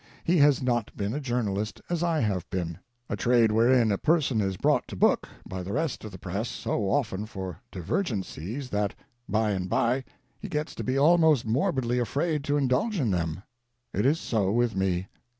He has not been a journalist, as I have been — a trade wherein a per son is brought to book by the rest of the press so often for diverg encies that, by and by, he gets to be almost morbidly afraid to indulge in them. It is so with me.